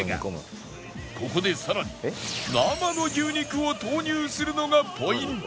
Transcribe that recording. ここでさらに生の牛肉を投入するのがポイント